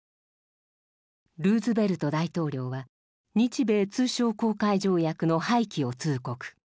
ルーズベルト大統領は日米通商航海条約の廃棄を通告。